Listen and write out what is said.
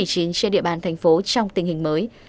trên địa bàn thành phố trong tình hình mới